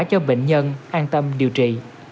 cho bệnh nhân an tâm điều trị